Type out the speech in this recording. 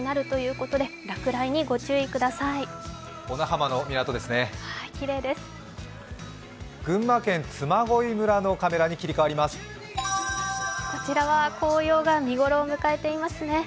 こちらは紅葉が見頃を迎えていますね。